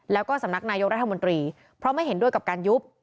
แล้วก็สำนักนายกรัฐมนตรีเพราะไม่เห็นด้วยกับการยุบ